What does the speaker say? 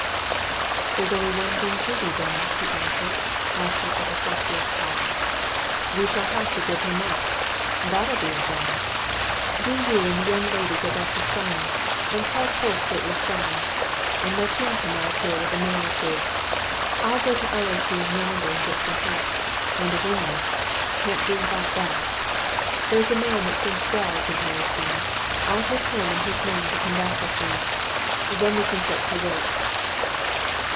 "There's only one thing to be done," he answered, after a reflective pause. "We shall have to get him up. That'll be a job! Do you and the young lady go back to Scarnham, and tell Polke what we've found, and let him come out here with a man or two. I'll go into Ellersdeane yonder and get some help and a windlass can't do without that. There's a man that sinks wells in Ellersdeane I'll get him and his men to come back with me. Then we can set to work."